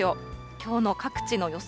きょうの各地の予想